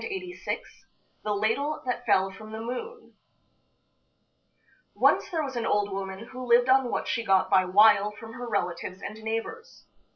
THE LADLE THAT FELL FROM THE MOON Once there was an old woman who lived on what she got by wile from her relatives and neighbors.